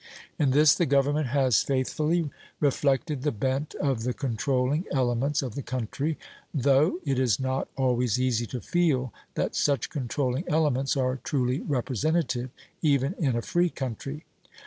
In this the government has faithfully reflected the bent of the controlling elements of the country, though it is not always easy to feel that such controlling elements are truly representative, even in a free country.